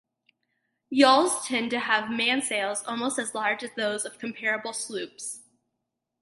Yawls tend to have mainsails almost as large as those of comparable sloops.